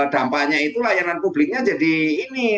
dampaknya itu layanan publiknya jadi ini